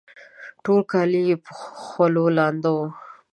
ټول کالي یې په خولو لانده وه